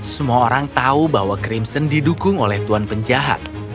semua orang tahu bahwa crimson didukung oleh tuan penjahat